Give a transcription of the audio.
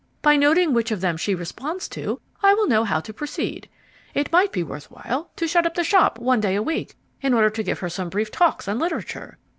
By noting which of them she responds to, I will know how to proceed. It might be worth while to shut up the shop one day a week in order to give her some brief talks on literature.